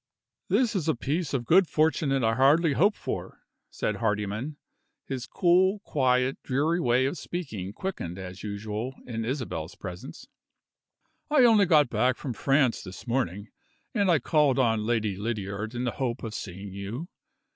"This is a piece of good fortune that I hardly hoped for," said Hardyman, his cool, quiet, dreary way of speaking quickened as usual, in Isabel's presence. "I only got back from France this morning, and I called on Lady Lydiard in the hope of seeing you.